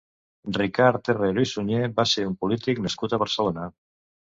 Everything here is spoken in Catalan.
Ricard Herrero i Suñer va ser un polític nascut a Barcelona.